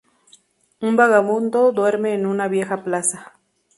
Un vagabundo duerme en una vieja plaza.